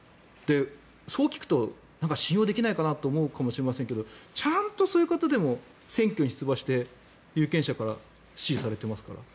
そう聞くと信用できないかなと思うかもしれないけどちゃんとそういう方でも選挙に出馬して有権者から支持されてますから。